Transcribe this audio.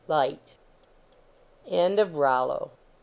Light. END OF "ROLLO.